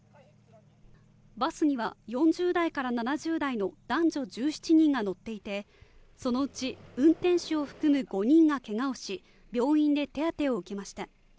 バスには４０代から７０代の男女１７人が乗っていてそのうち運転手を含む５人がけがをし病院で手当てを受けました